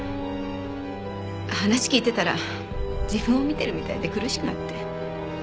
話聞いてたら自分を見てるみたいで苦しくなって。